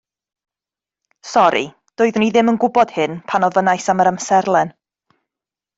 Sori doeddwn i ddim yn gwybod hyn pan ofynnais am yr amserlen